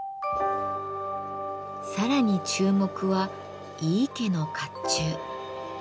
さらに注目は井伊家の甲冑。